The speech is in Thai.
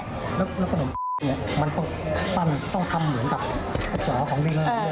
แล้วก็หนูเนี่ยมันต้องทำเหมือนกับไอ้เจ๋าของลิงเนี่ย